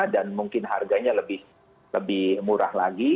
dan mungkin harganya lebih murah lagi